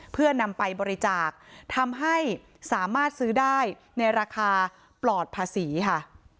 เพื่อนำไปบริจาคทำให้สามารถซื้อได้ในราคาปลอดภาษีค่ะ